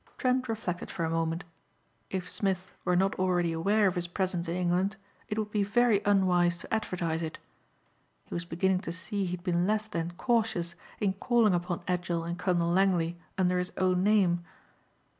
Trent reflected for a moment. If Smith were not already aware of his presence in England it would be very unwise to advertise it. He was beginning to see he had been less than cautious in calling upon Edgell and Colonel Langley under his own name.